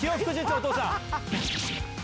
お父さん。